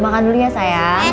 makan dulu ya sayang